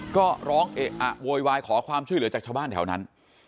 ก็ร้องเอะอะโวยวายขอความช่วยเหลือจากชาวบ้านแถวนั้น